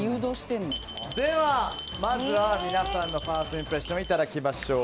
では、まずは皆さんのファーストインプレッションをいただきましょう。